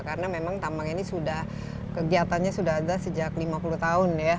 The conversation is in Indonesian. karena memang tambang ini kegiatannya sudah ada sejak lima puluh tahun ya